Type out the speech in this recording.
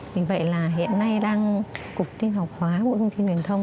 vì vậy là hiện nay cục tin học hóa bộ thông tin và truyền thông